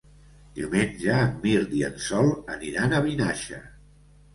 Diumenge en Mirt i en Sol aniran a Vinaixa.